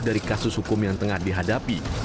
dari kasus hukum yang tengah dihadapi